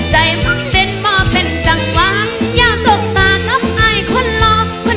ใจมันเด่นบ่เป็นจังหวังยาตุศักดิ์ตาก็ขอ้ายความรอง